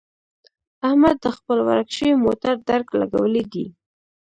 احمد د خپل ورک شوي موټر درک لګولی دی.